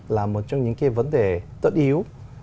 là một trong những cái vấn đề tất yếu